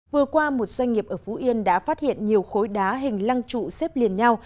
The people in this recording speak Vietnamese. vừa qua một doanh nghiệp ở phú yên đã phát hiện nhiều khối đá hình lăng trụ xếp liền nhau